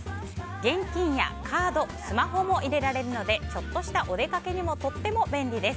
現金やカードスマホも入れられるのでちょっとしたお出かけにもとっても便利です。